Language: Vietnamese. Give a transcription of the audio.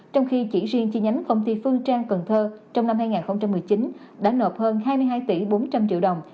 trong khi chỉ riêng chi nhánh công ty phương trang cần thơ trong năm hai nghìn một mươi chín đã nộp hơn hai mươi hai tỷ bốn trăm linh triệu đồng